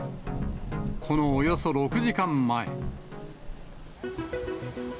このおよそ６時間前。